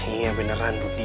iya beneran budi